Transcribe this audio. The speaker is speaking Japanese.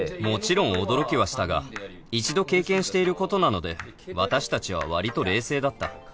もちろん驚きはしたが一度経験していることなので私たちは割と冷静だった